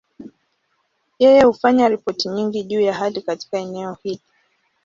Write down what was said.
Yeye hufanya ripoti nyingi juu ya hali katika eneo hili.